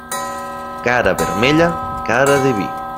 Cara vermella, cara de vi.